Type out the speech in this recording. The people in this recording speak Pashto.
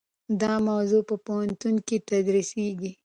دا موضوع په پوهنتون کې تدریسیږي.